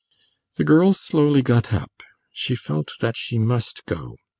The girl slowly got up; she felt that she must go.